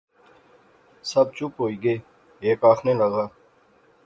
سب چپ ہوئی گئے۔ ہیک آخنے لغا